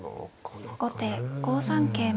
後手５三桂馬。